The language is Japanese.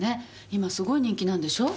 今すごい人気なんでしょう？